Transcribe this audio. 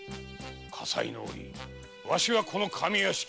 火災の折わしはこの上屋敷に。